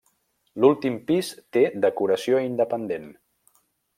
L'últim pis té decoració independent.